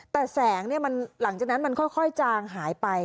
แต่แสงหลังจากนั้นมันค่อยจางหายไป